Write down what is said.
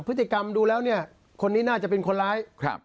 พฤติกรรมดูแล้วเนี่ยคนนี้น่าจะเป็นคนร้ายครับ